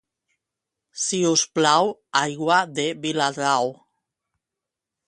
Si us plau, aigua de Viladrau.